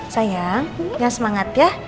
sayang nyalah semangat ya